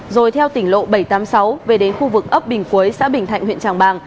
rồi theo tỉnh lộ bảy trăm tám mươi sáu về đến khu vực ấp bình quế xã bình thạnh huyện tràng bàng